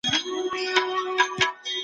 زدهکوونکي په ښوونځي کي د پرمختګ لارې زده کوي.